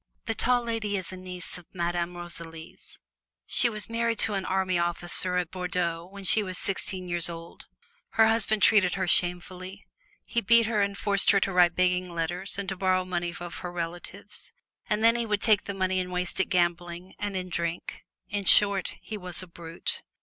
The Tall Lady is a niece of Madame Rosalie's. She was married to an army officer at Bordeaux when she was sixteen years old. Her husband treated her shamefully; he beat her and forced her to write begging letters and to borrow money of her relatives, and then he would take this money and waste it gambling and in drink. In short, he was a Brute.